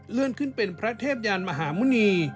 เลื่อนขึ้นเป็นพระเทพยานมหาหมุนี